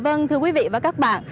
vâng thưa quý vị và các bạn